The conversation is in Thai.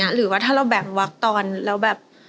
หรือว่าถ้าเราแบ่งวักตอนแล้วแบบ